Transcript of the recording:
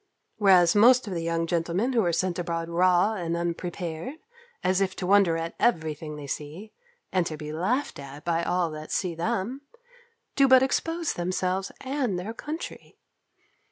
Whereas most of the young gentlemen who are sent abroad raw and unprepared, as if to wonder at every thing they see, and to be laughed at by all that see them, do but expose themselves and their country.